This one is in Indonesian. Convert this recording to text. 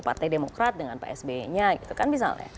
partai demokrat dengan psb nya gitu kan misalnya